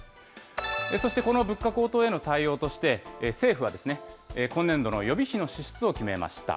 そして、この物価高騰への対応として、政府は、今年度の予備費の支出を決めました。